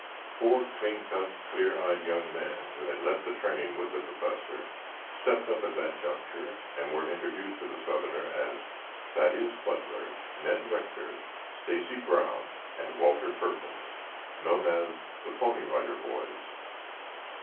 Four clean cut, clear eyed young men, who had left the train with the Professor, stepped up at that juncture and were introduced to the southerner as Thaddeus Butler, Ned Rector, Stacy Brown and Walter Perkins, known as the Pony Rider Boys.